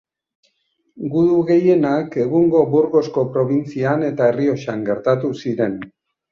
Gudu gehienak egungo Burgosko probintzian eta Errioxan gertatu ziren.